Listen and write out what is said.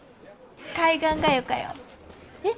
海岸がよかよ。え？